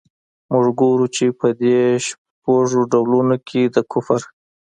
موږ ګورو چي په دې شپږو ډولونو کي د کفر.